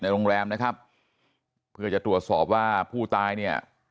โรงแรมนะครับเพื่อจะตรวจสอบว่าผู้ตายเนี่ย